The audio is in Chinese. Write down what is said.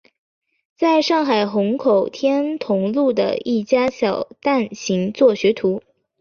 在上海虹口天潼路的一家小蛋行做学徒。